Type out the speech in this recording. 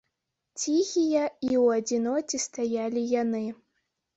Ціхія і ў адзіноце стаялі яны.